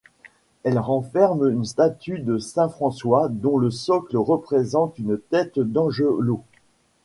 Elle renferme une statue de saint François dont le socle représente une tête d'angelot.